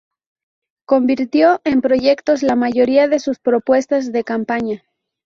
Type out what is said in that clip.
Convirtió en proyectos la mayoría de sus propuestas de campaña.